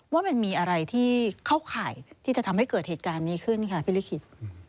ว่ามันมีอะไรที่เข้าข่ายที่จะทำให้เกิดเหตุการณ์นี้ขึ้นค่ะพี่ลิขิต